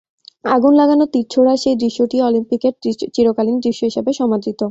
আগুন লাগানো তির ছোড়ার সেই দৃশ্যটিও অলিম্পিকের চিরকালীন দৃশ্য হিসেবে সমাদৃত।